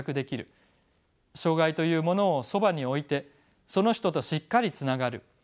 障がいというものをそばに置いてその人としっかりつながる。